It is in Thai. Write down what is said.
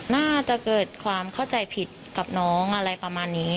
น่าจะเกิดความเข้าใจผิดกับน้องอะไรประมาณนี้